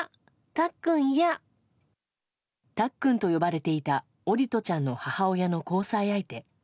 たっくんと呼ばれていた桜利斗ちゃんの母親の交際相手。